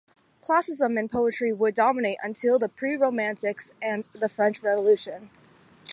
"Classicism" in poetry would dominate until the pre-romantics and the French Revolution.